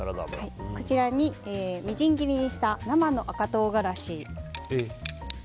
こちらにみじん切りにした生の赤唐辛子。